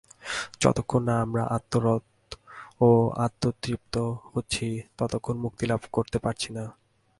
যতক্ষণ না আমরা আত্মরত ও আত্মতৃপ্ত হচ্ছি, ততক্ষণ মুক্তিলাভ করতে পারছি না।